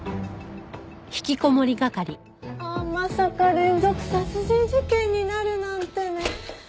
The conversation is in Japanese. ああまさか連続殺人事件になるなんてね。